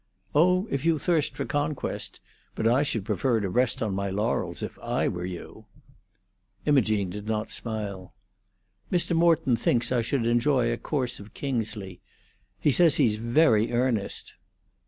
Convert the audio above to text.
"Oh, if you thirst for conquest. But I should prefer to rest on my laurels if I were you." Imogene did not smile. "Mr. Morton thinks I should enjoy a course of Kingsley. He says he's very earnest."